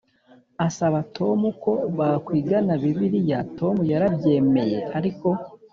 asaba Tom ko bakwigana Bibiliya Tom yarabyemeye ariko